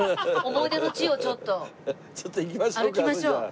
思い出の地をちょっと歩きましょう。